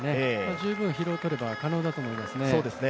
十分疲労を取れば可能だと思いますね。